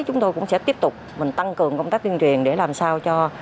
chúng tôi cũng sẽ tiếp tục mình tăng cường công tác tuyên truyền để làm sao cho